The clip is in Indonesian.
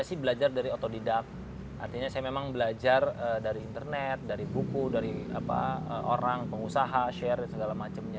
saya sih belajar dari otodidak artinya saya memang belajar dari internet dari buku dari orang pengusaha share dan segala macamnya